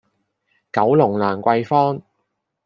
九龍蘭桂坊